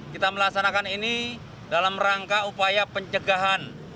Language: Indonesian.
kita melaksanakan ini dalam rangka upaya pencegahan